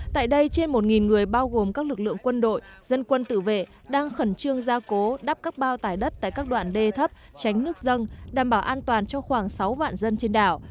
tại đây trên một người bao gồm các lực lượng quân đội dân quân tự vệ đang khẩn trương gia cố đắp các bao tải đất tại các đoạn đê thấp tránh nước dân đảm bảo an toàn cho khoảng sáu vạn dân trên đảo